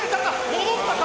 戻ったか？